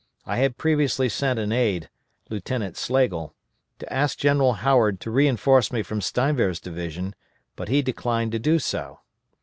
I had previously sent an aide Lieutenant Slagle to ask General Howard to reinforce me from Steinwehr's division, but he declined to do so.